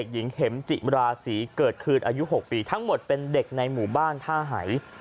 หญิงเข็มจิมราศีเกิดคืนอายุ๖ปีทั้งหมดเป็นเด็กในหมู่บ้านท่าหาย